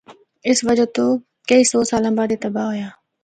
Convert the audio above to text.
اسی وجہ تو کئی سو سالاں بعد اے تباہ ہویا۔